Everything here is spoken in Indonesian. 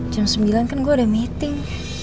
jam sembilan kan gue udah meeting